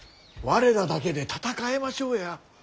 我らだけで戦えましょうや。